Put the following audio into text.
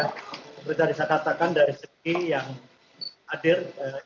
seperti tadi saya katakan dari segi yang hadir